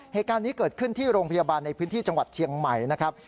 เหตุการณ์นี้เกิดขึ้นที่โรงพยาบาลในพื้นที่จังหวัดเชียงใหม่นะครับ